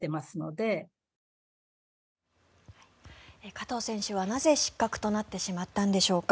加藤選手は、なぜ失格となってしまったんでしょうか。